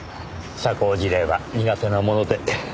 社交辞令は苦手なもので。